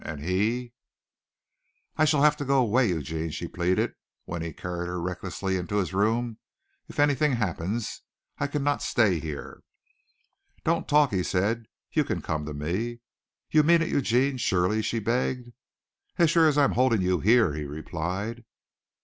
And he "I shall have to go away, Eugene," she pleaded, when he carried her recklessly into his room, "if anything happens. I cannot stay here." "Don't talk," he said. "You can come to me." "You mean it, Eugene, surely?" she begged. "As sure as I'm holding you here," he replied.